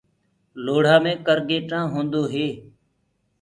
لوڙهآ مي ڪرگيٽآ هوندو هي۔